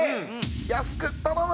安く頼む！